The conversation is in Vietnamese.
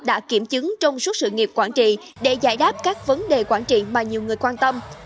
đã kiểm chứng trong suốt sự nghiệp quản trị để giải đáp các vấn đề quản trị mà nhiều người quan tâm